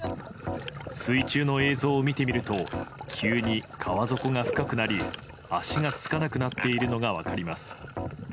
水中の映像を見てみると急に川底が深くなり足がつかなくなっているのが分かります。